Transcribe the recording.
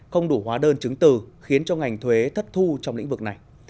không đủ hóa đơn chứng từ khiến cho ngành thuế thất thu trong lĩnh vực này